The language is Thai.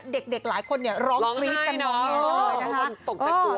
เด็กหลายคนร้องกรี๊บกันร้องให้น้องตกแต่กลัว